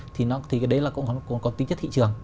thì đấy cũng có tính chất thị trường